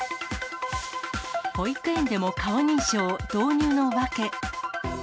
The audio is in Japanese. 保育園でも顔認証導入の訳。